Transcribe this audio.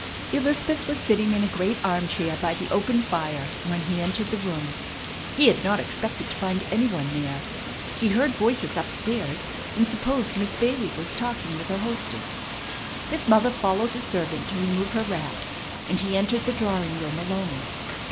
Elizabeth was sitting in a great arm chair by the open fire when he entered the room. He had not expected to find any one there. He heard voices up stairs, and supposed Miss Bailey was talking with her hostess. His mother followed the servant to remove her wraps, and he entered the drawing room alone.